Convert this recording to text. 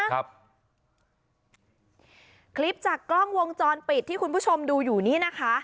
คลิปจากคลิปจากกล้องวงจรปิดที่คุณผู้ชมดูอยู่นี่นะคะ